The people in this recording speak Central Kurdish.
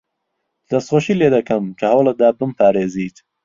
دەستخۆشیت لێ دەکەم کە هەوڵت دا بمپارێزیت.